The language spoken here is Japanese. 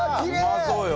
うまそうよ。